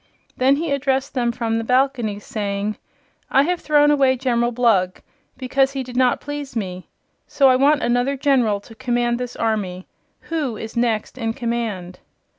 Then he addressed them from the balcony, saying: "I have thrown away General Blug, because he did not please me. So I want another General to command this army. Who is next in command?"